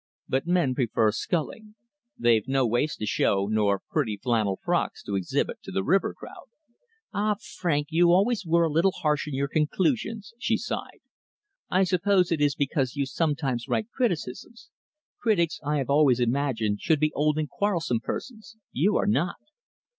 "But men prefer sculling. They've no waists to show, nor pretty flannel frocks to exhibit to the river crowd." "Ah, Frank, you always were a little harsh in your conclusions," she sighed. "I suppose it is because you sometimes write criticisms. Critics, I have always imagined, should be old and quarrelsome persons you are not."